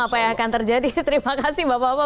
apa yang akan terjadi terima kasih bapak bapak